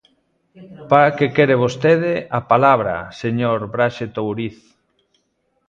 ¿Para que quere vostede a palabra, señor Braxe Touriz?